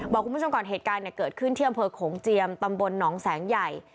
บอกคุณผู้ชมก่อนเหตุการณ์เกิดขึ้นที่อำเภอโขงเจียมตำบลหนองแสงใหญ่